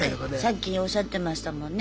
さっきおっしゃってましたもんね。